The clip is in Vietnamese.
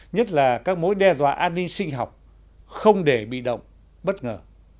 nhất là các mối đe dọa an ninh sinh học không để bị động bất ngờ